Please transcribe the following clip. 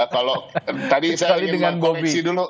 kalau tadi saya ingin mengkoreksi dulu